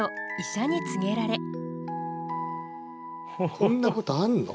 こんなことあんの？